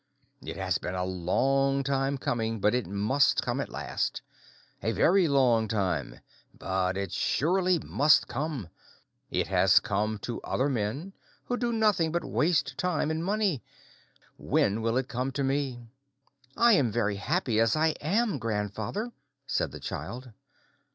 It has been a long time coming, but it must come at last. A very long time, but it surely must come. It has come to other men, who do nothing but waste time and money. When will it come to me?" "I am very happy as I am, grandfather," said the child.